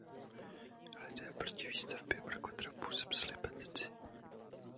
Lidé proti výstavbě mrakodrapu sepsali petici.